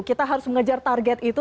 kita harus mengejar target itu